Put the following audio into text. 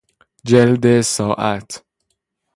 جلد ساعت